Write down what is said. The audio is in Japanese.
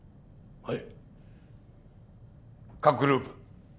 はい！